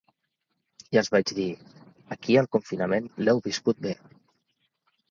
I els vaig dir: ‘Aquí el confinament l’heu viscut bé’.